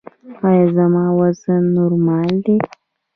ایا زما وزن نورمال دی؟